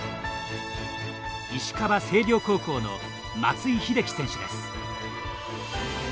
石川・星稜高校の松井秀喜選手です。